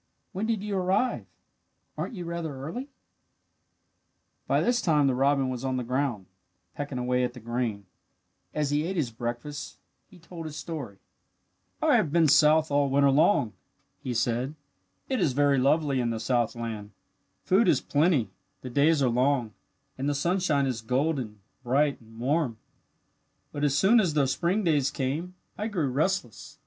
When did you arrive? Aren't you rather early?" By this time the robin was on the ground, pecking away at the grain. As he ate his breakfast he told his story. [Illustration: "By this time the robin was on the ground" (missing from book)] "I have been south all winter long," he said. "It is very lovely in the southland. Food is plenty, the days are long, and the sunshine is golden, bright, and warm. "But as soon as the spring days came I grew restless.